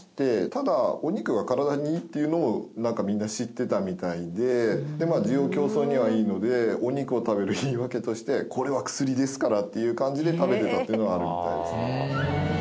ただお肉は体にいいっていうのをなんかみんな知ってたみたいで滋養強壮にはいいのでお肉を食べる言い訳としてこれは薬ですからっていう感じで食べてたっていうのはあるみたいですね。